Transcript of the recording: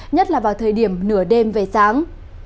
nhất là vào thời điểm nửa đêm về sáng